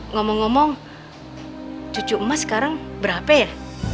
ngomong ngomong cucu emas sekarang berapa ya